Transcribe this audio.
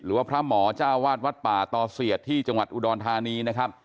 พระหมอเจ้าวาดวัดป่าตอเสียดที่จังหวัดอุดรธานีนะครับ